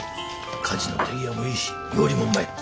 家事の手際もいいし料理もうまい。